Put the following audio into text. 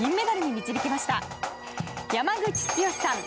山口剛史さん。